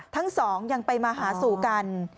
ทั้งสองยังไปมาหาสู่กัน